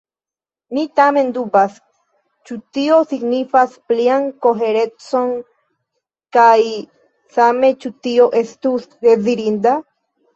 Mi tamen dubas, ĉu tio signifas plian koherecon, kaj same, ĉu tio estus dezirinda.